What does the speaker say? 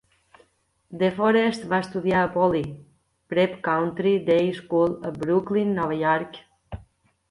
DeForest va estudiar a Poly Prep Country Day School a Brooklyn, Nova York.